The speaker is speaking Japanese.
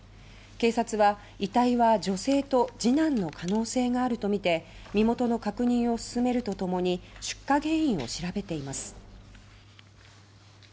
警察は、遺体は女性と次男の可能性があるとみて身元の確認を進めるとともに出火原因を調べています。